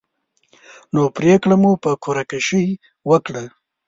نو پرېکړه مو په قره کشۍ وکړه.